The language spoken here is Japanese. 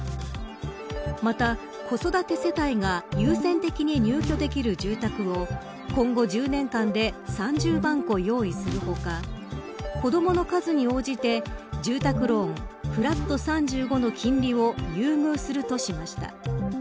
また、子育て世帯が優先的に入居できる住宅を今後１０年間で３０万戸用意する他子どもの数に応じて住宅ローンフラット３５の金利を優遇するとしました。